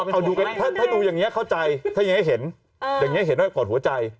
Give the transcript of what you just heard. ถ้าดูอย่างเงี้ยเข้าใจถ้ายังไงเห็นอ่าอย่างเงี้ยเห็นแล้วก็กรอดหัวใจ